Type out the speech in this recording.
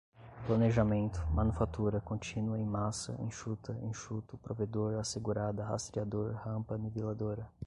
planejamento manufatura contínua em massa enxuta enxuto provedor assegurada rastreador rampa niveladora